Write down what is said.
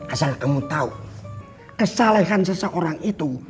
asal kamu tahu kesalahan seseorang itu